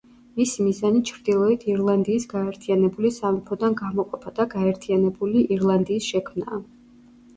მისი მიზანი ჩრდილოეთ ირლანდიის გაერთიანებული სამეფოდან გამოყოფა და გაერთიანებული ირლანდიის შექმნაა.